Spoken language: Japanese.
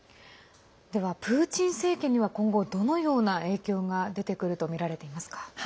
ではプーチン政権には今後どのような影響が出てくるとみられていますか？